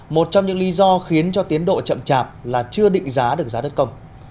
một trong những lý do khiến cho tiến độ chậm chạp là chưa định giá được giá đất công